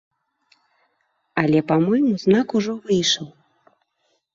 Але па-мойму знак ужо выйшаў.